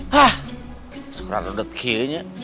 hah sekarang rodot kek